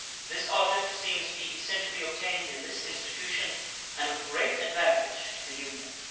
This object seems to be essentially obtained in this institution, and with great advantage to the Union.